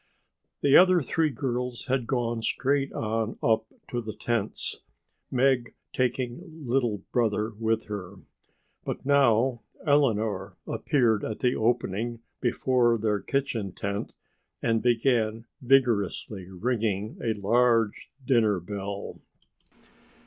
The other three girls had gone straight on up to the tents, Meg taking "Little Brother" with her. But now Eleanor appeared at the opening before their kitchen tent and began vigorously ringing a large dinner bell.